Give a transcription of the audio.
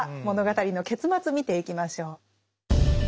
物語の結末見ていきましょう。